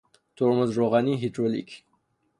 ترمز روغنی هیدرولیک